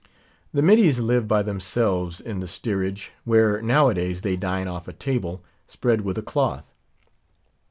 The middies live by themselves in the steerage, where, nowadays, they dine off a table, spread with a cloth.